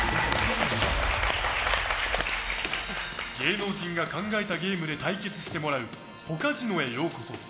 芸能人が考えたゲームで対決してもらうポカジノへようこそ。